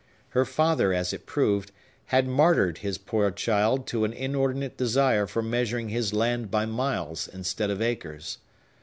Her father as it proved, had martyred his poor child to an inordinate desire for measuring his land by miles instead of acres.